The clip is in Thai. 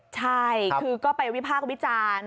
ใช่คือก็ไปวิพากษ์วิจารณ์